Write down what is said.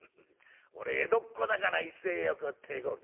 俺江戸っ子だから威勢よく『てえこうき』」。